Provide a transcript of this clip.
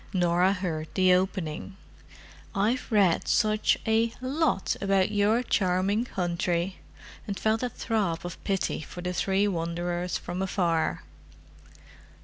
Norah heard the opening—"I've read such a lot about your charming country!" and felt a throb of pity for the three wanderers from afar.